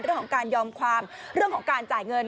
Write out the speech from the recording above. เรื่องของการยอมความเรื่องของการจ่ายเงิน